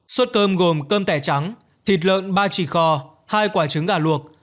suất cơm gồm cơm tẻ trắng thịt lợn ba chỉ kho hai quả trứng gà luộc